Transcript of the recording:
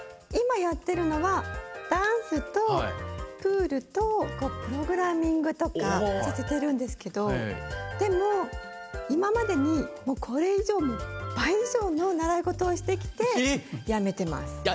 今やってるのはダンスとプールとプログラミングとかさせてるんですけどでも今までにこれ以上倍以上の習い事をしてきてやめてます。